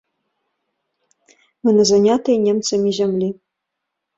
Мы на занятай немцамі зямлі.